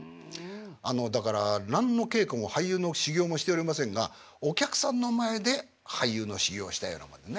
あのだから何の稽古も俳優の修業もしておりませんがお客さんの前で俳優の修業をしたようなものでね。